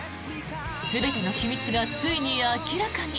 全ての秘密がついに明らかに。